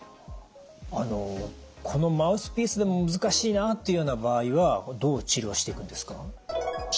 あのこのマウスピースでも難しいなっていうような場合はどう治療していくんですか？